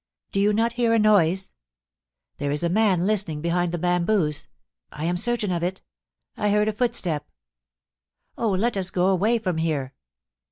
' Do you not hear a noise ? There is a man listening behind the bamboos. I am certain of it ; I heard a footstep. Oh, let us go away from here